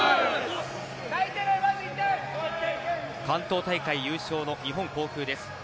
関東大会優勝の日本航空です。